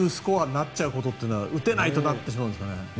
なってしまうことは打てないとなってしまうんですかね。